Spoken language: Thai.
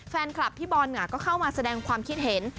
แฟนคลับพี่บอลก็เข้ามาแสดงความคิดเห็น